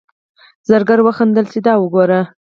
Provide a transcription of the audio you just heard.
زرګر وخندل چې دا وګوره.